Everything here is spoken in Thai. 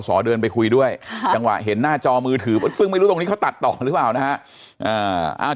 เดินไปคุยด้วยจังหวะเห็นหน้าจอมือถือซึ่งไม่รู้ตรงนี้เขาตัดต่อหรือเปล่านะฮะ